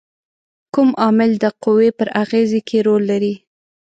کوم عامل د قوې پر اغیزې کې رول لري؟